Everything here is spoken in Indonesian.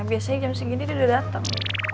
biasanya jam segini dia udah datang